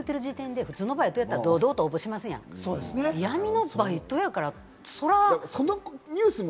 ただ闇って言ってる時点で普通のバイトだったら堂々と応募しますが、闇のバイトだからそりゃ。